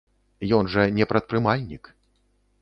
Ён жа не прадпрымальнік.